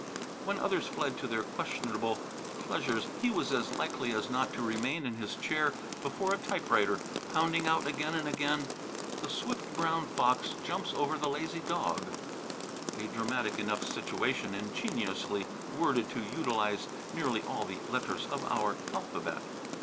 When others fled to their questionable pleasures he was as likely as not to remain in his chair before a typewriter, pounding out again and again, "_The swift brown fox jumps over the lazy dog _" a dramatic enough situation ingeniously worded to utilize nearly all the letters of our alphabet.